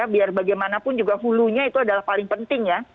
biar bagaimanapun juga hulunya itu adalah paling penting ya